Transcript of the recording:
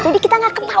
jadi kita gak ketahuan